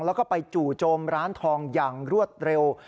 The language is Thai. แล้วก็ไปจู่โจมร้านทองอย่างรวดเร็ว